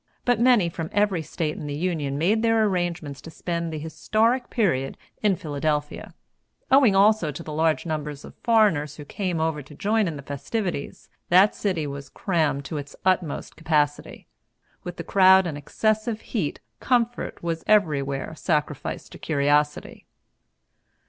But many from every State in the Union made their arrangements to spend the historic period in Philadelphia. Owing, also, to the large number of foreigners who came over to join in the festivities, that city was crammed to its utmost capacity. With the crowd and excessive heat, comfort was everywhere sacrificed to curiosity.